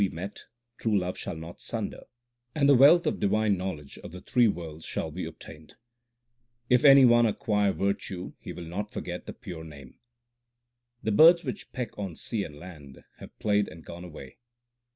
272 THE SIKH RELIGION If the True Guru be met, true love shall not sunder, And the wealth of divine knowledge of the three worlds shall be obtained. If any one acquire virtue, he will not forget the Pure Name. The birds which peck on sea and land have played and gone away.